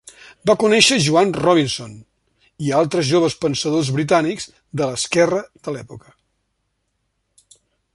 Va conèixer Joan Robinson i altres joves pensadors britànics de l'esquerra de l'època.